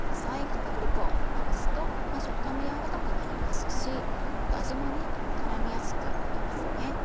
片栗粉まぶすと食感も軟らかくなりますしあと味も絡みやすくなります。